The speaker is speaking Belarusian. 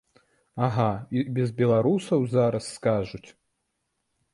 Ага, і без беларусаў, зараз скажуць!